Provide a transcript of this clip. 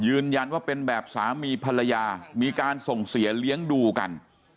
ยืนยันว่าเป็นแบบสามีภรรยามีการส่งเสียเลี้ยงดูกัน